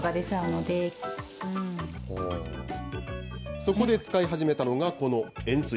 そこで使い始めたのが、この円すい。